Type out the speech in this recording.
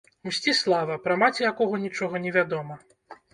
Мсціслава, пра маці якога нічога не вядома.